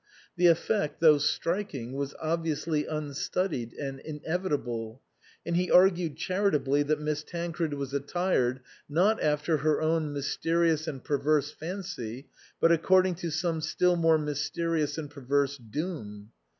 The effect, though striking, was obviously unstudied and inevitable, and he argued charitably that Miss Tancred was attired, not after her own mysterious and per verse fancy, but according to some still more mysterious and perverse doom.